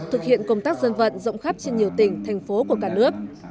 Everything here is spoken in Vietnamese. thực hiện công tác dân vận rộng khắp trên nhiều tỉnh thành phố của cả nước